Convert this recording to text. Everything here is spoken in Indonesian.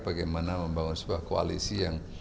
bagaimana membangun sebuah koalisi yang